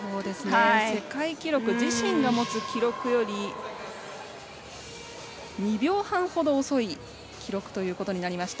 世界記録自身の持つ記録より２秒半ほど遅い記録となりました。